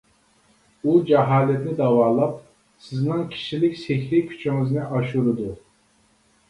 ئۇ جاھالەتنى داۋالاپ، سىزنىڭ كىشىلىك سېھرىي كۈچىڭىزنى ئاشۇرىدۇ.